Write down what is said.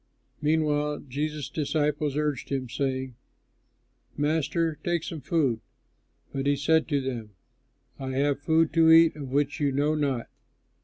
Meanwhile Jesus' disciples urged him, saying, "Master, take some food"; but he said to them, "I have food to eat of which you know not."